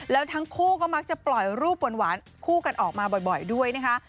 แล้วทั้งคู่ก็มักจะปล่อยรูปหวานคู่กันออกมาบ่อยด้วยนะคะ